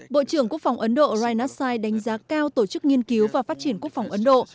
bộ trưởng quốc phòng ấn độ rainassai đánh giá cao tổ chức nghiên cứu và phát triển quốc phòng ấn độ